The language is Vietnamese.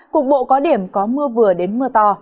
cục bộ có điểm có mưa vừa đến mưa to